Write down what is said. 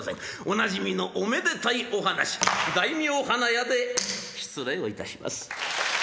おなじみのおめでたいお話「大名花屋」で失礼をいたします。